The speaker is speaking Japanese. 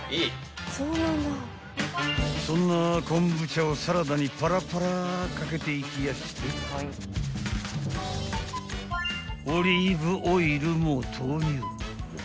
［そんな昆布茶をサラダにパラパラ掛けていきやしてオリーブオイルも投入］